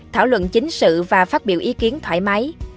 thảo luận chính sự và phát biểu ý kiến thoải mái